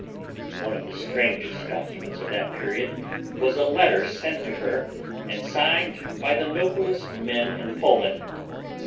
One of the strangest documents of that period was a letter sent to her and signed by the noblest men in Poland.